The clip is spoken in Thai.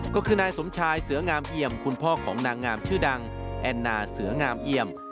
ก็คือนายสมชายเสืองามเอี่ยมคุณพ่อของนางงามชื่อดังแอนนาเสืองามเอี่ยม